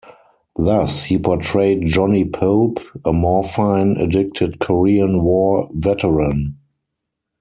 Thus he portrayed Johnny Pope, a morphine addicted Korean War veteran.